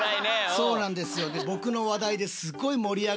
そうなんですよ。